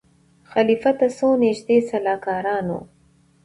خلیفه ته څو نیژدې سلاکارانو